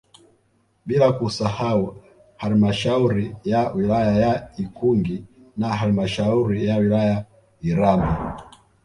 Bila kusahau Halamashauri ya wilaya ya Ikungi na halmashauri ya wilaya Iramba